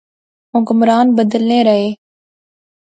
حکمران بدلنے رہے